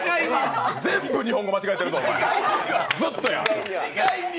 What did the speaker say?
全部日本語間違えてるぞ、ずっとや。